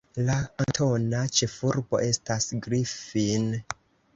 La kantona ĉefurbo estas Griffin.